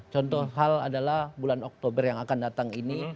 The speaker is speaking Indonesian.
contoh hal adalah bulan oktober yang akan datang ini